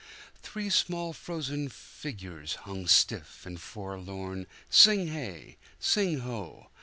Three small frozen figures hung stiff and forlorn Sing hey! sing ho!